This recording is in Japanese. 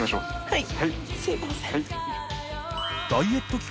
はい。